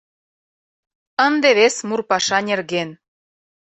Ынде вес мурпаша нерген.